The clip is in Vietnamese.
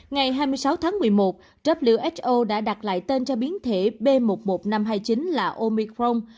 ngày hai mươi sáu tháng một mươi một who đã đặt lại tên cho biến thể b một một năm trăm hai mươi chín là omicron